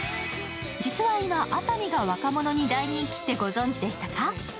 実は今、熱海が若者に大人気ってご存じでしたか。